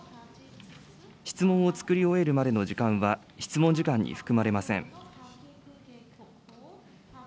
質問を作り終えるまでの時間は、質問時間に含まれません。